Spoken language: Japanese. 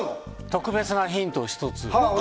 特別なヒントを１つ。